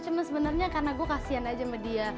cuma sebenarnya karena gue kasian aja sama dia